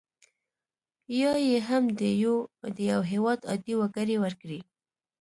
یا یې هم د یو هیواد عادي وګړي ورکړي.